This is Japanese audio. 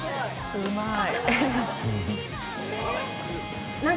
うまい。